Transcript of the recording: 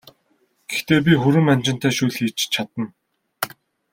Гэхдээ би хүрэн манжинтай шөл хийж чадна!